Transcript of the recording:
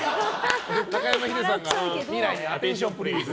中山ヒデさんが未来にアテンションプリーズ！